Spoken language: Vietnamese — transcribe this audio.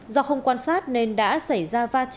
do không quan sát nên đã xảy ra va chạm